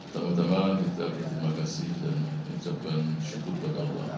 sama sama kita berterima kasih dan ucapkan syukur kepada allah